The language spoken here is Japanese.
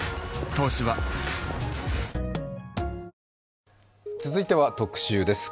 「東芝」続いては特集です。